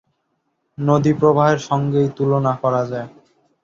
নদীপ্রবাহের সঙ্গেই তুলনা হতে পারে।